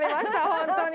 本当に。